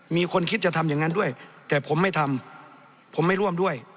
มีคนคิดจะทำอย่างนั้นด้วยแต่ผมไม่ทำผมไม่ร่วมด้วย